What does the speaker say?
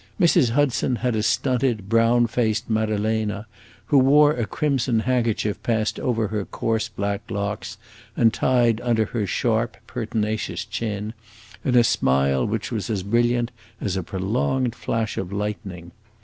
Mrs. Hudson had a stunted, brown faced Maddalena, who wore a crimson handkerchief passed over her coarse, black locks and tied under her sharp, pertinacious chin, and a smile which was as brilliant as a prolonged flash of lightning.